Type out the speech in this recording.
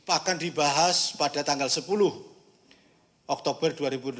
akan dibahas pada tanggal sepuluh oktober dua ribu delapan belas